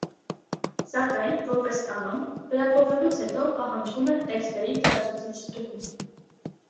Սակայն, որպես կանոն, վերափոխելուց հետո պահանջվում է տեքստերի լրացուցիչ ստուգում։